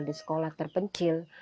di sekolah terpencil